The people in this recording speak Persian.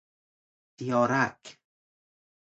سیاه رگ